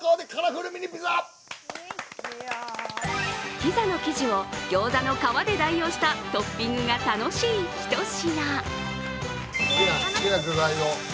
ピザの生地を餃子の皮で代用したトッピングが楽しいひと品。